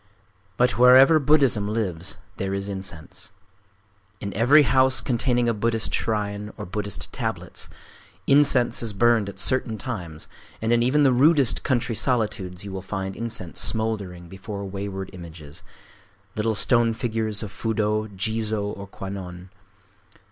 But wherever Buddhism lives there is incense. In every house containing a Buddhist shrine or Buddhist tablets, incense is burned at certain times; and in even the rudest country solitudes you will find incense smouldering before wayside images,—little stone figures of Fudō, Jizō, or Kwannon.